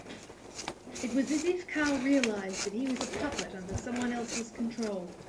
It was as if Carl realised that he was a puppet under someone else's control.